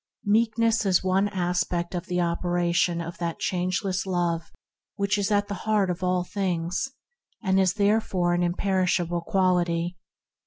Meekness is one aspect of the operation of the changeless Love that is at the Heart of all things, and is therefore an imperishable quality.